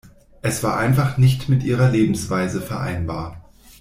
Es war einfach nicht mit ihrer Lebensweise vereinbar.